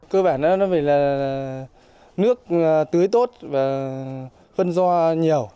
cơ bản nó phải là nước tưới tốt và phân do nhiều